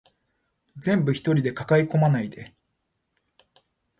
全部一人で抱え込まないで